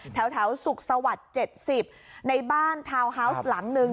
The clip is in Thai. แถวสุขสวัสดิ์๗๐ในบ้านทาวน์ฮาวส์หลังหนึ่ง